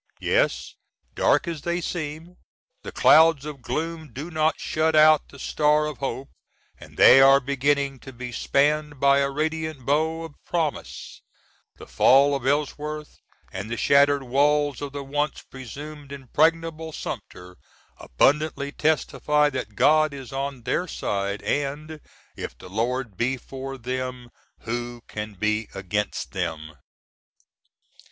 Yes, dark as they seem, the clouds of gloom do not shut out the star of hope, and they are beginning to be spanned by a radiant bow of promise; the fall of Ellsworth & the shattered walls of the once presumed impreg^ble Sumter, abundantly testify that God is on their side, and "if the Lord be for them, who can be against them?"